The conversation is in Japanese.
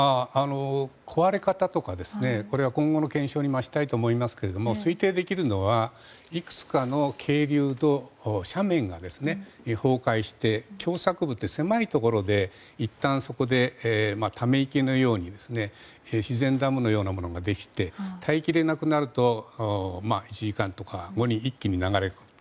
壊れ方とか、今後の検証を待ちたいと思いますが推定できるのはいくつかの渓流と斜面が、崩壊して狭窄部という狭いところでいったん、ため池のように自然ダムのようなものができて耐えきれなくなると１時間後とかに一気に流れる。